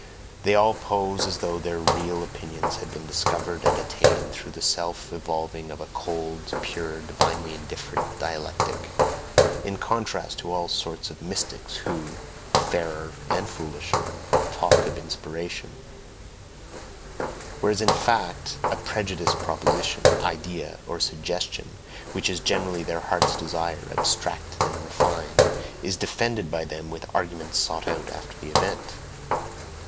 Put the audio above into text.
They all pose as though their real opinions had been discovered and attained through the self evolving of a cold, pure, divinely indifferent dialectic (in contrast to all sorts of mystics, who, fairer and foolisher, talk of "inspiration"), whereas, in fact, a prejudiced proposition, idea, or "suggestion," which is generally their heart's desire abstracted and refined, is defended by them with arguments sought out after the event.